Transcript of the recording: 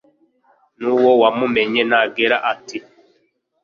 nuwo wamumenye nagella ati